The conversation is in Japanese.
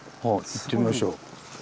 行ってみましょう。